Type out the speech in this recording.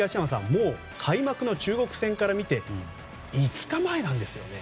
もう開幕の中国戦から見て５日前なんですよね。